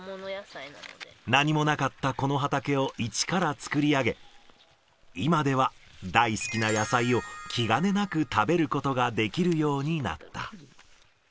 何もなかったこの畑を一から作り上げ、今では大好きな野菜を気兼ねなく食べるようにできるようになった。